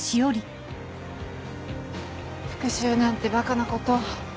復讐なんてバカなことを。